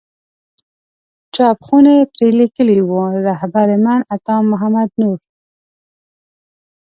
چاپ خونې پرې لیکلي وو رهبر من عطا محمد نور.